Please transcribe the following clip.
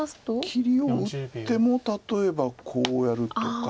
切りを打っても例えばこうやるとか。